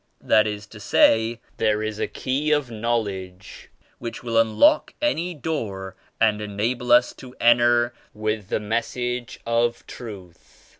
That is to say, there is a key of knowledge which will unlock any door and en able us to enter with the Message of Truth.